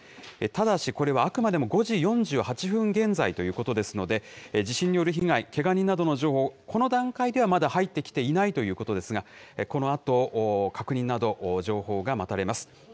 ただし、これはあくまでも５時４８分現在ということですので、地震による被害、けが人などの情報、この段階ではまだ入ってきていないということですが、このあと確認など、情報が待たれます。